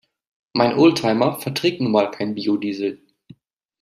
Mein Oldtimer verträgt nun mal kein Biodiesel.